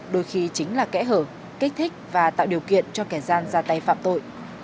đôi khi chính là kẽ hở kích thích và tạo điều kiện cho kẻ gian ra tay phạm tội